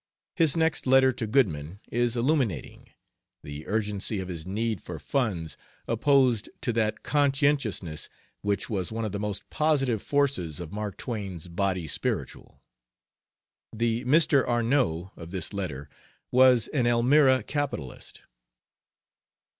His next letter to Goodman is illuminating the urgency of his need for funds opposed to that conscientiousness which was one of the most positive forces of Mark Twain's body spiritual. The Mr. Arnot of this letter was an Elmira capitalist.